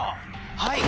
はい！